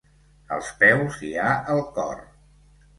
Als peus hi ha el cor.